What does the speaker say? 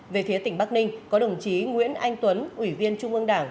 về phía tỉnh bắc ninh có đồng chí nguyễn anh tuấn ủy viên trung ương đảng